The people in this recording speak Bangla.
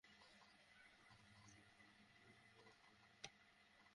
ওয়াই-ফাই সংকেতযুক্ত নতুন একটি প্রযুক্তির সাহায্যে আড়ালের তথ্য সংগ্রহ করা যাবে।